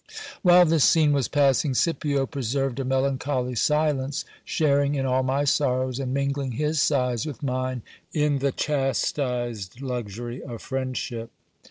While this scene was passing, Scipio preserved a melancholy silence, sharing in all my sorrows, and mingling his sighs with mine in the chastised luxury of friendship.